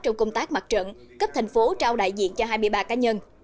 trong công tác mặt trận cấp thành phố trao đại diện cho hai mươi ba cá nhân